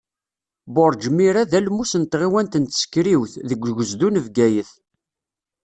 Burǧ Mira d almus n tɣiwant n Tsekriwt, deg ugezdu n Bgayet.